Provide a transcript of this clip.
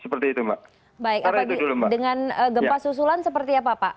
baik dengan gempa susulan seperti apa pak